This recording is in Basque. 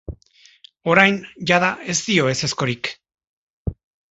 Orain, jada, ez dio ezezkorik.